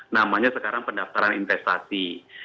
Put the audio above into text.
namanya sekarang pendaftaran investasi